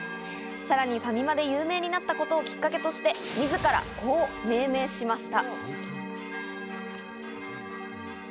さらにファミマで有名になったことをきっかけとして、自ら、こう命名しました。